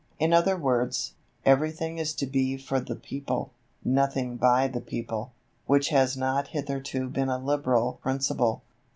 In other words, everything is to be for the people, nothing by the people which has not hitherto been a Liberal principle.